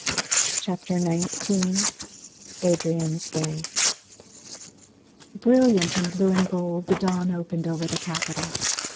CHAPTER XIX ADRIAN'S DAY Brilliant in blue and gold the dawn opened over the capital.